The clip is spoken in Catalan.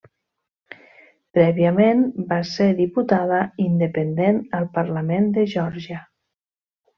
Prèviament va ser diputada independent al Parlament de Geòrgia.